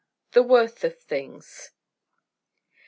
THE WORTH OF THINGS. Mr.